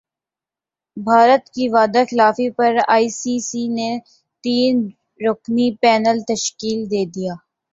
بھارت کی وعدہ خلافی پر ائی سی سی نے تین رکنی پینل تشکیل دیدیا